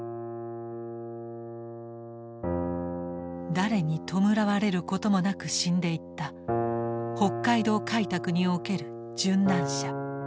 誰に弔われることもなく死んでいった北海道開拓における殉難者。